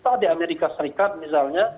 atau di amerika serikat misalnya